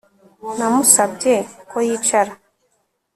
Namusabye ko yicara